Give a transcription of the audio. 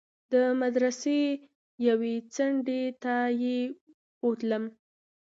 د مدرسې يوې څنډې ته يې بوتلم.